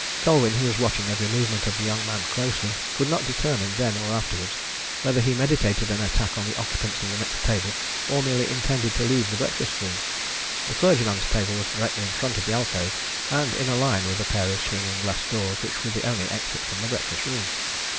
Colwyn, who was watching every movement of the young man closely, could not determine, then or afterwards, whether he meditated an attack on the occupants of the next table, or merely intended to leave the breakfast room. The clergyman's table was directly in front of the alcove and in a line with the pair of swinging glass doors which were the only exit from the breakfast room.